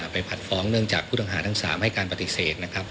ผัดฟ้องเนื่องจากผู้ต้องหาทั้ง๓ให้การปฏิเสธนะครับ